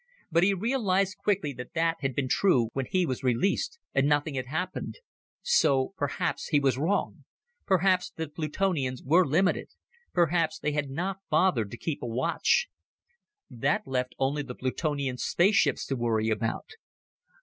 But he realized quickly that that had been true when he was released and nothing had happened. So perhaps he was wrong. Perhaps the Plutonians were limited perhaps they had not bothered to keep a watch. That left only the Plutonian spaceships to worry about.